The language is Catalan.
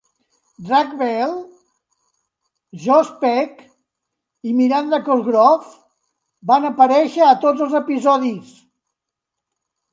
Drake Bell, Josh Peck i Miranda Cosgrove van aparèixer a tots els episodis.